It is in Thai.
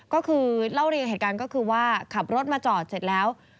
ก็คือเล่าเรียงเหตุการณ์ก็คือว่าขับรถมาจอดเสร็จแล้ว